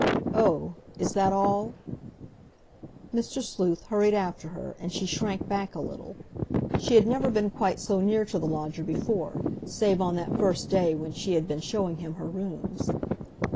"Oh! Is that all?" Mr. Sleuth hurried after her, and she shrank back a little. She had never been quite so near to the lodger before, save on that first day when she had been showing him her rooms.